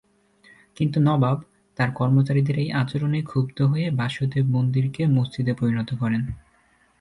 কিন্তু নবাব, তাঁর কর্মচারীদের এই আচরণে ক্ষুব্ধ হয়ে বাসুদেব মন্দিরকে মসজিদে পরিণত করেন।